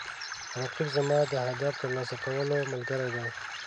رقیب زما د هدف د ترلاسه کولو ملګری دی